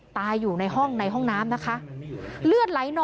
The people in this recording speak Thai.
ตายอยู่ในห้องในห้องน้ำนะคะ